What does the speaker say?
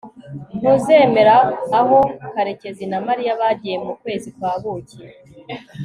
ntuzemera aho karekezi na mariya bagiye mu kwezi kwa buki